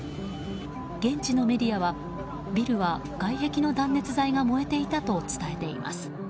現地のメディアはビルは、外壁の断熱材が燃えていたと伝えています。